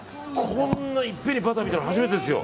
こんないっぺんにバター見たの初めてですよ。